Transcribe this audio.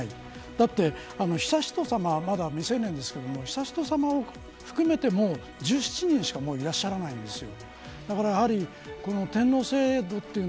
だって、悠仁さまはまだ未成年ですけど悠仁さまを含めても１７人しかいらっしゃらないんですよ。